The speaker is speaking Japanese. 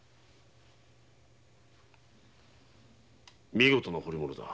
見事な彫り物だ。